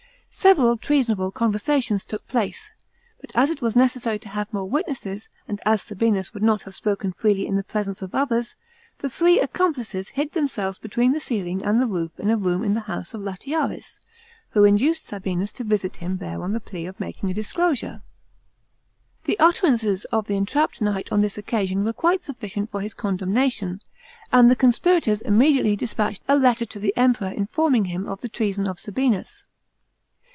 Several treasonable conversations took place, but as it was necessary to have mure witnesses, and as Sabinus would not have spoken freely in the presence of the others, the three accomplices hid themselves between the ceiling and the roof in a room in the house of Latiaris, who induced Sabinus to visit him there on the plea of making a disclosure. The utterances of the entrapped knight on this occasion were quite sufficient for his condemnation, and the conspirators immediately dispatched a letter to the Emperor informing him of the treason of Sabinus.